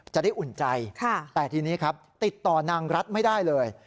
อุ่นใจแต่ทีนี้ครับติดต่อนางรัฐไม่ได้เลย